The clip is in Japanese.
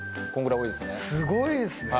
すごいですね。